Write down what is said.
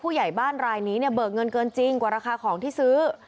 ผู้ใหญ่บ้านรายนี้เนี่ยเบิกเงินเกินจริงกว่าราคาของที่ซื้อ